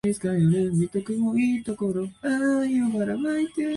この時間のファミレスは混んでいる